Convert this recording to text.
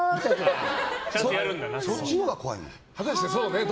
そっちのほうが怖いよ。